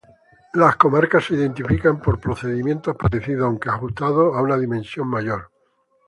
Las comarcas se identifican por procedimientos parecidos aunque ajustados a una dimensión mayor.